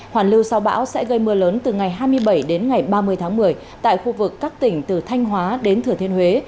hoàn lưu sau bão sẽ gây mưa lớn từ ngày hai mươi bảy đến ngày ba mươi tháng một mươi tại khu vực các tỉnh từ thanh hóa đến thừa thiên huế